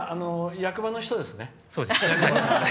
役場の人ですね。